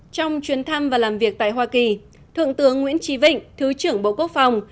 trong chuyến thăm và làm việc tại hoa kỳ thượng tướng nguyễn trí vịnh thứ trưởng bộ quốc phòng